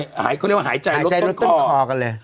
หายเขาเรียกว่าหายใจลดต้นคอกันเลย